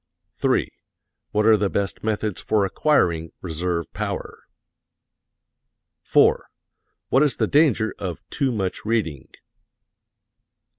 3. What are the best methods for acquiring reserve power? 4. What is the danger of too much reading?